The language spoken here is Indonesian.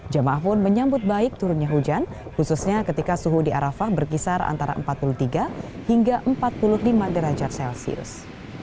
jamaah pun menyambut baik turunnya hujan khususnya ketika suhu di arafah berkisar antara empat puluh tiga hingga empat puluh lima derajat celcius